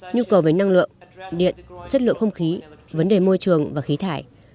nhu cầu về năng lượng điện chất lượng không khí vấn đề môi trường và khí thải